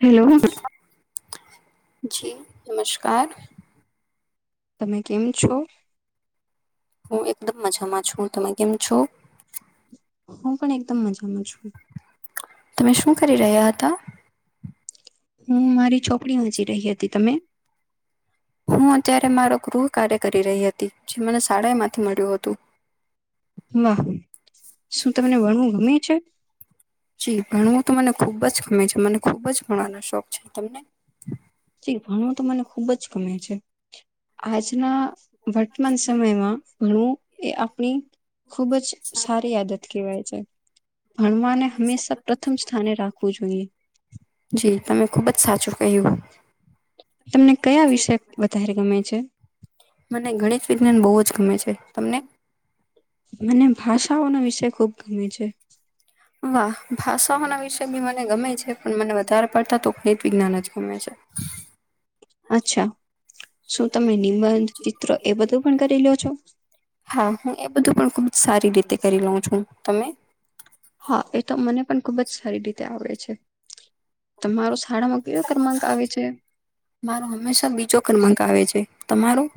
Hello જી નમસ્કાર તમે કેમ છો હું એકદમ મજામાં છું તમે કેમ છ હું પણ એકદમ મજામાં છું તમે શું કરી રહ્યા હતા હું મારી છોપરી વાંચી રહી હતી તમે હું અત્યારે માક રુ કાર્ય કરી રહી હતી જે મને શાળા માંથી મળ્યું હતું વાહો શું તમને વણવું ગમે છે તોને ખુબ જ ગમેી છે મને ખુબ જ ઘણાનો શોખ છે તમને ી ભણું તો મને ખુબ જ ગમે છે આજના વટ માનસમ એમાં ઘણું એ આપણી ખુબ જ સારી આદત કહેવાય જ સ્થાને રાખવું જોઈએ જી તમે ખૂબ જ સાચું કહ્યું તમને કયા વિષય વધારે ગમે છે મને ગણિત વિજ્ઞાન બહુ જ ગમે છે તમને મને ભાષાઓનો વિષય ખુબ ગમે છે વાહ ભાષાઓના વિશે બી મને ગમે છે પણ મને વધારે પડતા તો ગણિત વિજ્ઞાન જ ગમે છે અચ્છા શું તમે નિબંધ ચિત્ર એ બધું પણ કરી લ્યો છો? હા હુંું સારી રીતે કરી લઉં છું તમે હા એ તો મને પણ ખુબ જ સારી રીતે આવડે છે તમારો શાળામાં કયો ક્રમાંક આવે છે? મારો હંમેશા બીજો ક્રમાંક આવે છે તમારું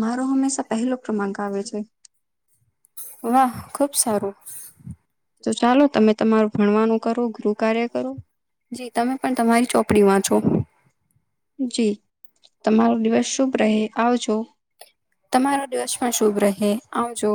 મારો હંમેશા પહેલો ક્રમાંક આવે છે વાહ ખુબ સારું તો ચાલો તમે તમારું ભણવાનું કરો ગૃર કાર્ય કરું જી તમે પણ તમારી ચોપડી વાંચો જી તમારો દિવસ શુભ રહે આવજો તો તમારો દિવસ પણ શુભ રહે આવજો